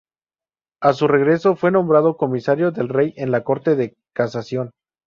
A su regreso fue nombrado comisario del rey en la Corte de Casación.